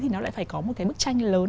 thì nó lại phải có một cái bức tranh lớn